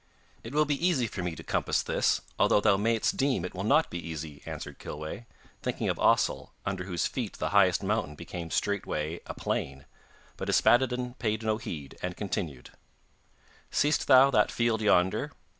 'It will be easy for me to compass this, although thou mayest deem it will not be easy,' answered Kilweh, thinking of Ossol, under whose feet the highest mountain became straightway a plain, but Yspaddaden paid no heed, and continued: 'Seest thou that field yonder?